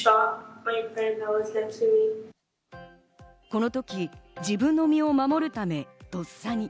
この時、自分の身を守るため、とっさに。